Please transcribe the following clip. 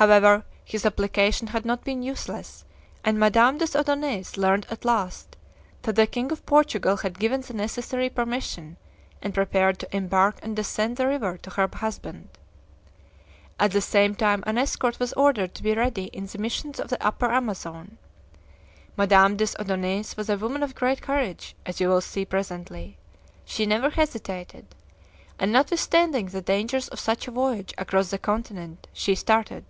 However, his application had not been useless, and Madame des Odonais learned at last that the king of Portugal had given the necessary permission, and prepared to embark and descend the river to her husband. At the same time an escort was ordered to be ready in the missions of the Upper Amazon. Madame des Odonais was a woman of great courage, as you will see presently; she never hesitated, and notwithstanding the dangers of such a voyage across the continent, she started."